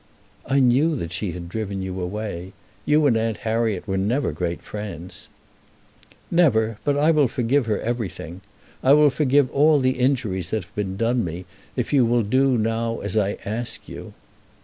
"I knew that she had driven you away. You and Aunt Harriet were never great friends." "Never; but I will forgive her everything. I will forgive all the injuries that have been done me if you now will do as I ask you."